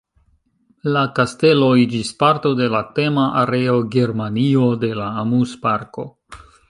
La kastelo iĝis parto de la tema areo "Germanio" de la amuzparko.